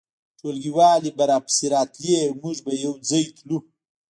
ټولګیوالې به راپسې راتلې او موږ به یو ځای تلو